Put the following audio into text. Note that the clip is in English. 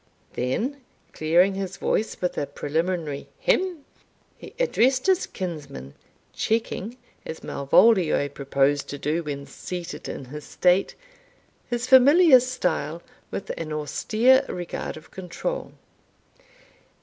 Then, clearing his voice with a preliminary hem, he addressed his kinsman, checking, as Malvolio proposed to do when seated in his state, his familiar smile with an austere regard of control.